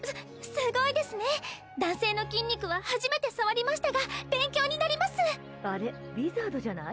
すごいですね男性の筋肉は初めて触りましたが勉強になりますあれウィザードじゃない？